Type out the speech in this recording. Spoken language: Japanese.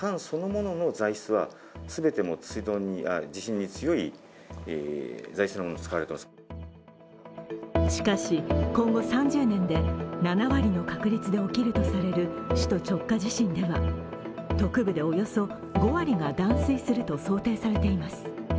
というのもしかし、今後３０年で７割の確率で起きるとされる首都直下地震では、都区部でおよそ５割が断水すると想定されています。